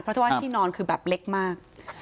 เพราะว่าที่นอนคือแบบเล็กมาก